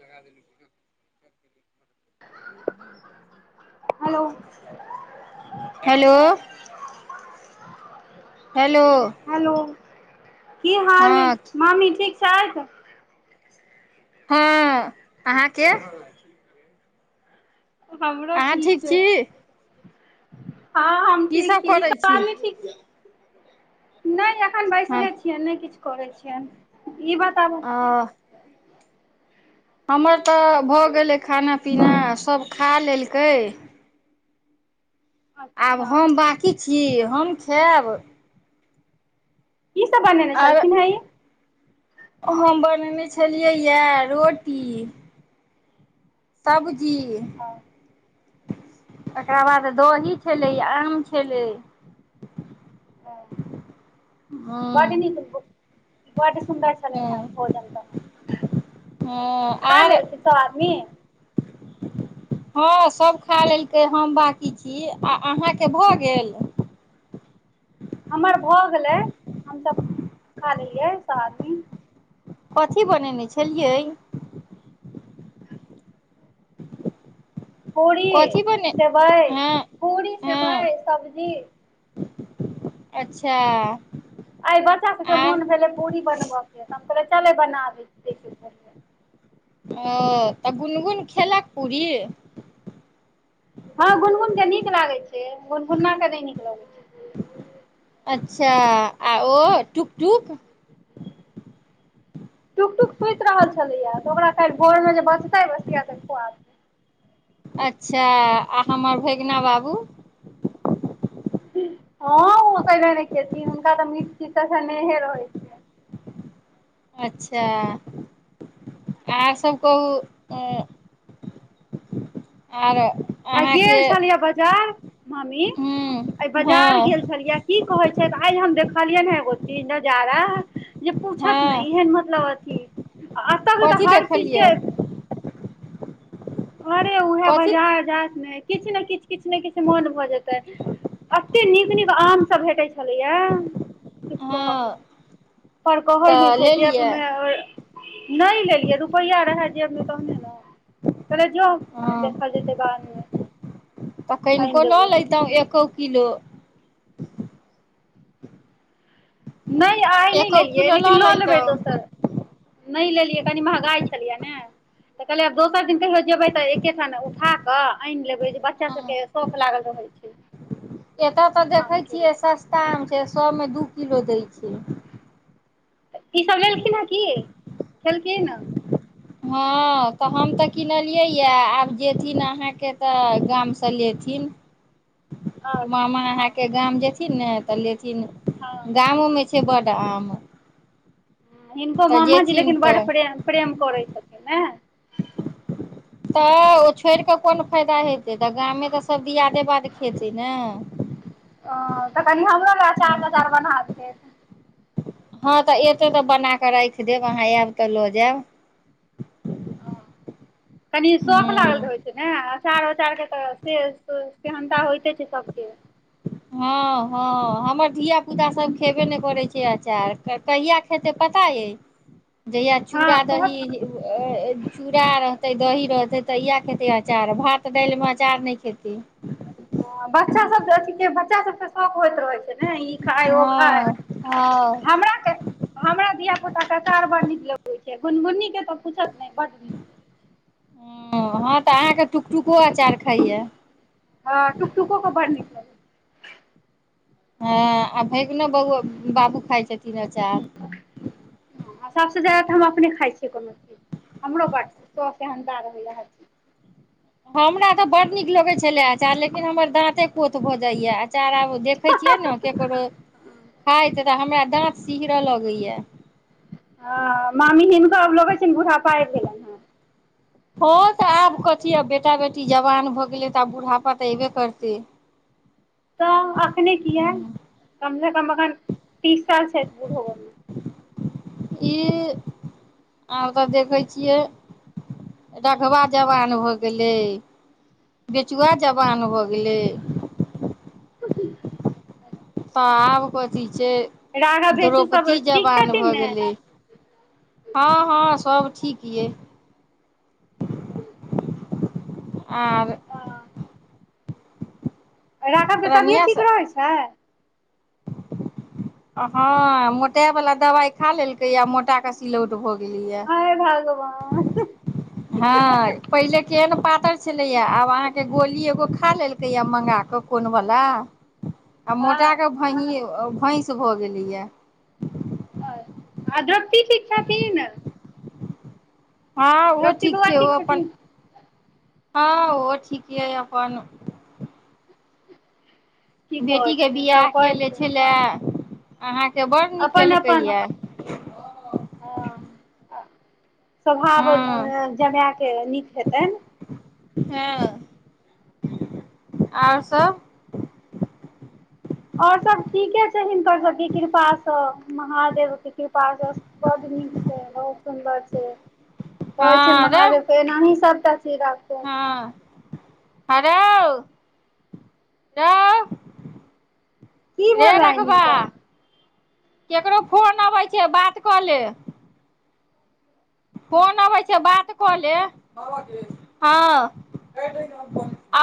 लगा द hello hello hello hello की हाल हँ अछि मामी ठीक सर्द हँ अहाँके हमरो अहाँ ठीक छै छी हँ हम की ठीक सब छी करै इसब आदमी ठीक नहि या अखन हँ बैसले छियै नहि किछु करै छियन ई बताबु ओ हमर तऽ भऽ गेलै खाना पीना सभ खा लेलकै आब अच्छा हम बाँकी छी हम खायब की सब बनेने आर छलखिन हे ई हम बनयने छलियैए रोटी सब्जी हम तकर बाद दही छलै आम छलै हँ हँ बड नीक बड सुन्दर छलनि हँ हेँ भोजन हँ तऽन खा आर लेलखिन सभ आदमी हँ सभ खा लेलकै हम बाँकी छी आ अहाँके भऽ गेल हमर भऽ गेलै हमसभ खा लेलियै सए आदमी कथी बनेने छलियै पूड़ी कथी बने सेवइ हँ पूड़री हँ सेवइ सब्जी अच्छा एहिइ बच्चा सभके आर मोन भेलै पूरी बनबयके चले बनाबै दै छिय ओ तऽ गुनगुन खेलक पूरीय हँ गुनगुन कऽ नीक लागै छै गुनगुननाे नहि नीक लगै छै अच्छा आ ओ टुक टुक टुकटुक सुति रहल छलैएा तऽ ओकरा काल्हि भोरमे जे बचतै बसिया त खुआद अच्छा आ हमर भगीना बाबू हँ ओ कहिने नहि खेतीन हुनका तऽ मीठ चीट तसँ नहिहे रहै छै अच्छा आरसभ कहू आर आ अहाँके गेल छलियै बाजार मम्मी हूँ आइ बाजार गेल हँ छलियै की कहै आइ हम देखलियै ने एगो चीज नजारा जे पूछत ने हँ ऐहन मतलब ठीक एतयके कथी तऽ हर देखलियै चीजके अरे उएह कथी बाजार जाइतमे किछु ने किछु किछु ने किछु मोन भऽ जेतै एते नीक नीक आम सब भेटै छलैया हँ कहब पर कहै नै तऽ छय लेलियै जबमे नहि लेलियै रुपैआ रहय जेबमे तहने ने धरि जो हँ देखल जेत बाद मे ह तऽ कनिको लऽ लैतहु एक किलो नहि आइ नहि एको लेलिये किलो लेकिन लऽ लेबै लैतहुँ दोसर दिन नहि लेलियै कनि महँगाइ छलियै ने तऽ कहलियै आब दोसर दिन कहियो जेबै तऽ एकेठाम उठा कऽ आनि लेबै जे बच्चा हँ सभके शौख लागल रहैत छै एतय तऽ देखै आमके लेल छियै सस्ता आम छै सए मे दू किलो दै छी ऽ ईसभ लेलखिन हेँ की छलेलखिन हँ तऽ हम तऽ किनलियैए आब जेथिन अहाँके तऽ गामसँ लेथिन मामा अच्छा अहाँके गाम जेथिन ने त ले हँ गामो मे छै सेपाटा आमे हिनको मामााजी लिन बड़ तऽ प्रेम प्रेम करैत छथिन ने तऽ ओ छोड़ कऽ कोन फायदा हे से तऽ गामे तऽ सब दियादे बात खेतै ने तऽ कनि हमरो लए अचार ह तचार बना दिहथि हँ तऽ अयतै तऽ बना कऽ राखि देब अहाँ आयब तऽ लऽ जायब कनी शौख लागल हूँ रहै छै ने प्रचार उचार के तऽ से सेहन्ता होइते छै सबके हँ हँ हम धिय पुता सब खेबे नहि करै छै क अचार कहियआ खेतै पता अइ जहिया हँ चूड़ा दही कहत चूड़ रहते दही रहते तऽ इह खेतीै अचार भात दालिमे अचार नहि खेती बच्चा सब अथ बच्चा सब तऽ सब होइत रहै छै ने ई खाय ओ हँ हँ ख हमरा धिय पुता चार बड़ नीक लगैत छै गुनगुनी के तऽ पूछत ब नीक ह हँ तऽ अहाँके ुकटुको हँ टुकटुको क बड़ नीक लगै छै हँ आ भै ना बआ बाबू खााय छथिन अचार छै सभसँ ज्यादा तऽ हम अपने खाइ छियै कोनो चीज हमरो बटसँ स सेहदार होैए चीज हमरा तऽ बडड़ड नीक लगैत छलै अचार लेकिन हमर दाँते कोोथ भऽ जाइए अचार आब देखैत छियै ने ककरो खाइत तऽ हमरा दाँत सिहरय लगैए हँ मामी हिनको आब लगै छनि बुढ़ापा आबि गेलनि हँ ह तऽ आब कथी आब बेटा बेटी जवान भऽ गेलै तऽ आब बुढ़ापा तऽ अयबे करतै तऽ अखने किया कम से कम अग तीस सालस बुढ़बमे ई आब तऽ देखे छियै रघवा जवान हो गेले बेचुआा जवान हो गेले अगिले तब कोथी से राघव भेची सब द्रौपदी ठीक जवान छथिन भऽ ने गेलै हँ हँ सभ ठीक यइ आर राधाकें तऽ तभियत रनिया ठीक स रहैत छै हँ मोटा वला दबाइ खा लेलकैए मोटाके सिलौट भ गेल हेय भगवान सुतल छलैया आब अहाँके गोली एगो खा लेलकैया मगा कऽ कोन वला आ मोटाक हँ भैन भैंस भऽ गेलैए आ दोस्तनी ठीक छथिन हँ ओहो द्रौपदी ठीक बौआ छै ओ अपन छथिन हँ ओ ठीक य अपन की कहै बेटीके छथिन सभ बियाह कहै केनेे छै छलए आर से बड़ नीक केलकैया हाँ आ हँ स्वभाव जमाायएके नीक हेतनि हँ आओर सब आओर सभ ठीके छै हिनकर सभके कृपासँ महादेवके कृपासँ बड नीक छै बहुत सुन्दर छै हो छै हँ रे महादेवके एनाही सब खुशी राखू हेरउ रउ की भलेन हिनका ककरो फोन अबै छै बात कऽ ले फोन अबै छै बात कऽ ले हँ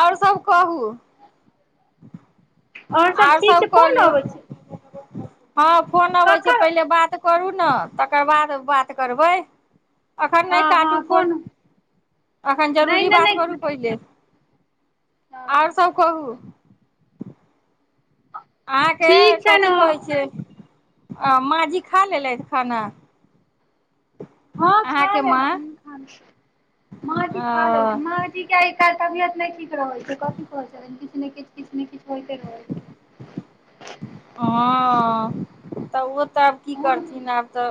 आओर सभ कहू आओर सभ ठीक छै सब फोन कहलू अबै छै हँ फोन अबैत छै ककर पहिले बात करू ने तकर बाद बात करबै एखन नहि हँ हँ काटू फोन कोन एखन नहि जरूरी नहि बात करू नहि पहिले आओर हँ सब कहू अहाँके ठीक छनि कथी कहै छै आ माँजी खा लेलथि खाना हँ खा अहाँके माँ लेलखिन माँ सीखा हँ देलखिन तबियत नहि ठीक रह छै कथी कह किछु ने किछ किछु ने किछु होइते रह छै हँ तऽ ओ त आब की छै करथिन आब तऽ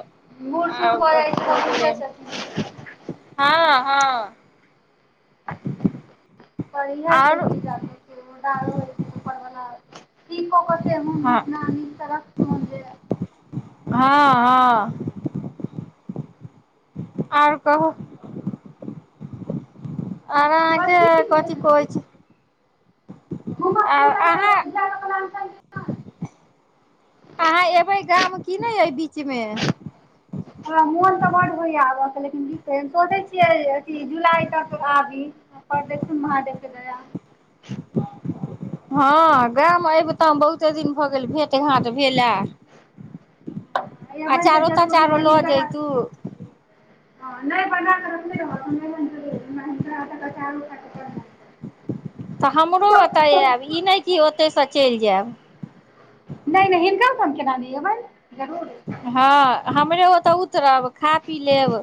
बूढ़ सूढ़ आब भऽ अथी हो जाइ गेलै छै तऽ बुझिते छथिन हँ हँ पर इह छै आओर की ज दारू होइ छै पर ब दीपोक कते मन हँ घुटना सड़क पर जे हँ हँ आओर कहू आ अहाँके कथी कह छै घूमऽ आओर अहाँ फिरऽ जायके प्लान हमरा अहाँ अयबै गाम कि नहि अइ बीचमे सबर होइयाेकिन सोचै छियै अथ जुलाई तक आबी देखन महादेव के दया हँ गाम अयबितहु बहुते दिन भऽ गेल भेँट घाँट भेलए हैया अ बनि चारो तऽ जरूर चारो हमरा लऽ हिनकर हाथ जेयतू हँ नहि बना कर नहि रह आर तऽ हमरो ओतय आब ई नहि क ओतेसँ चलि जायब नहि नहि हिनका हम केना द अबनि जरूर नहि हँ हमरे ओतऽ उतरब खा पी लेब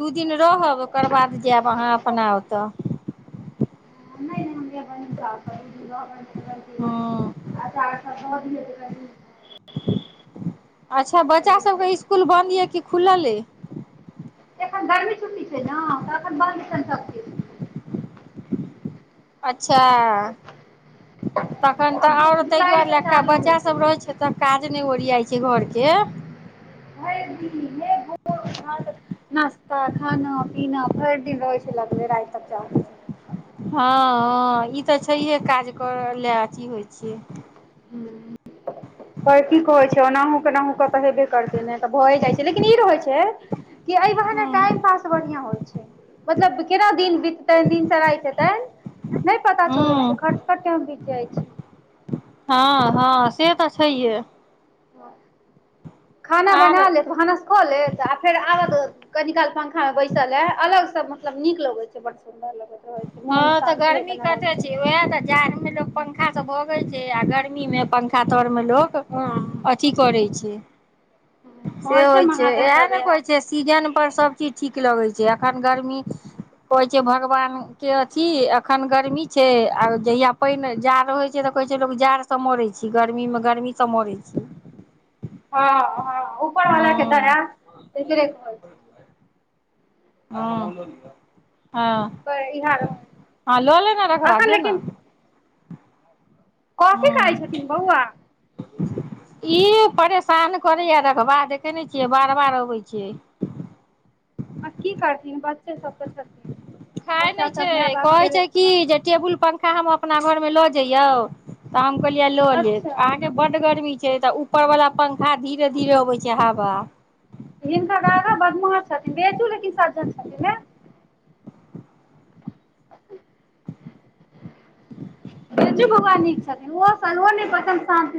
दू दिन रहब ओकर बाद जायब अहाँ अपना ओतऽ रहबैंन हँ अच्छा आओर सब कहोथु [inaudible] [inaudible] अच्छा बच्चा सबके रहत इसकूल बन्द यऽ की खुलल अ एखन गर्मी छुट्टी छै ने तखन बन्द छैनि सभकिछु अच्छा तखन आब तऽ जु और ताहि दुआरे जुलाइसँ ल चालू बच्चा हेतै सब रहे छै तऽ काज नहि बियात कें घरके भरि हे ओ नास्ता खाना पीना भरि दिन रहै छै लगबे राति तक चाहै छै हँ ह ई तऽ छैहे काज करय लए अथी होइ छियै ह चना हो केनाहु कऽ तऽ हेबे करतै ने तऽ भए जाइ छै लेकिन ई रहय छै कि एहि ब ने हूँ टाइम पास बढ़िया होइ छै मतलब केना दिन बीततै दिनसराय हेतै नहि पता चलै छै हूँ खर्च क टाम बीत जाइ छै हँ हँ से त छहि‌ए हँ खाना आर बना लेत भानस खऽ लेत आ फेर आबत कनि काल पंखा मे बैसल हे अलग से मतलब नीक लगे छै बड सुन्दर अलग हँ तऽ गर्मी कते छै उएह ने जाड़मे लोक पंखाँ भगै छै आ गर्मी मी मे पंखा तोर मे लोक हँ अथी करै छै से कहै होइ छै इएह महादेवके ने दया कहैत छै सीजन पर सभचीज ठीक नीक लगै छै एखन गर्मी कहै छै भगवानके अथी एखन गर्मी छै आ जहिया पानि जाड़ रहै छै तऽ कहै छै लोक जाड़सँ मरै छै गर्मीमे गर्मीसँ मरै छी हँ हँ उपर वालाक के हूँ दया कहै छै हँ हँ पर इहै हँ लऽ लेने अखन रखबाजो ने कथी खाइ हँ छथिन बौआ ई परेशान करैए रघवा देखै नहि छियै बार बार अबै छियै आ की करथिन बच्चे सब तऽ छथिन खाय बच्चा नहि सब छै माय बाप के कहै छै लेल कि जे टेबुल पंखा हम अपना घरमे लऽ जइयौ हम कह लियै लऽ ले अच्छा अहाँ के बड गर्मी तऽ ऊपर वाला पंखा हँ धीरे धीरे अबै छै ह बा हिनकर रधा बदमाश छथिन बेचू लेकिन सज्जन छथिन ने अ [unintelligible] बजू भगवान नीक छथिन ओ ओ पस शान